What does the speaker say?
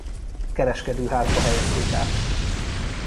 Kereskedőházba helyezték át.